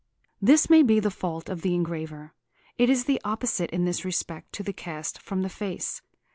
This may be the fault of the engraver. It is the opposite in this respect to the cast from the face.